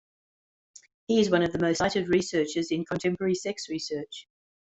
He is one of the most cited researchers in contemporary sex research.